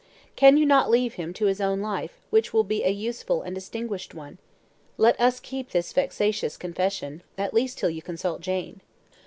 Can you not leave him to his own life, which will be a useful and a distinguished one? Let us keep this vexatious confession, at least till you consult Jane."